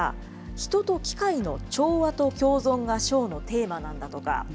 人と機械の調和と共存がショーのテーマなんだとか。